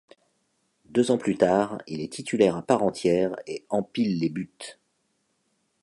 Deux ans plus tard, il est titulaire à part entière et empile les buts.